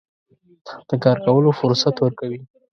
د کار کولو فرصت ورکوي.